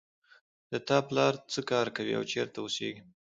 د تا پلار څه کار کوي او چېرته اوسیږي